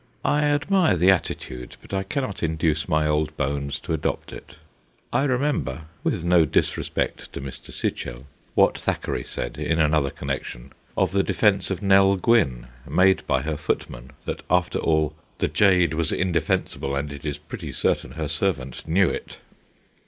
I admire the attitude, but I can not induce my old bones to adopt it. I remember (with no disrespect to Mr. Sichel) what Thackeray said, in another connection, of the defence of Nell Gwynne made by her footman, that after all ' the jade was inde fensible, and it is pretty certain her servant knew it.'